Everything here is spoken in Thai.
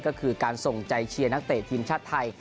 ก็คือการส่งใจเชียร์นักเตะทีมชาติไทย